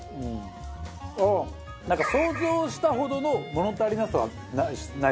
なんか想像したほどの物足りなさはないですよね。